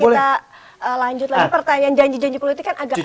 nanti kita lanjut lagi pertanyaan janji janji kulit itu kan agak agak melat ya